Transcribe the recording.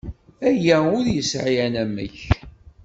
Aya ur yesɛi anamek.